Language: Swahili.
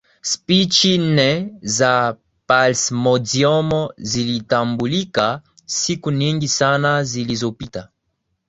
spishi nne za palsmodium zilitambulika siku nyingi sana zilizopita